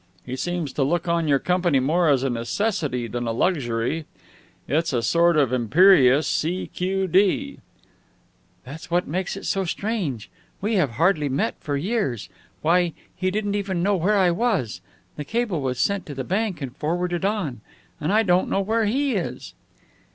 He seems to look on your company more as a necessity than a luxury. It's a sort of imperious C.Q.D." "That's what makes it so strange. We have hardly met for years. Why, he didn't even know where I was. The cable was sent to the bank and forwarded on. And I don't know where he is!"